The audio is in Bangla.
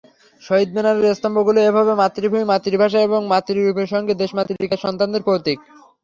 শহীদ মিনারের স্তম্ভগুলো এভাবে মাতৃভূমি-মাতৃভাষা এবং মাতৃরূপের সঙ্গে দেশমাতৃকার সন্তানদের প্রতীক।